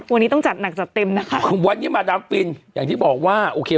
วันนี้ต้องจัดหนักจัดเต็มนะคะวันนี้มาดามฟินอย่างที่บอกว่าโอเค